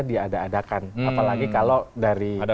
diadakan apalagi kalau dari